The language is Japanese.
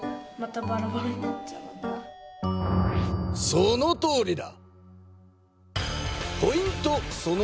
そのとおりだ。